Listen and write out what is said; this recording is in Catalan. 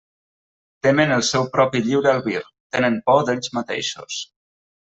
Temen el seu propi lliure albir; tenen por d'ells mateixos.